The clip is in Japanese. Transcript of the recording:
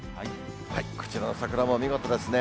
こちらの桜も見事ですね。